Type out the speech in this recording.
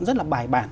rất là bài bản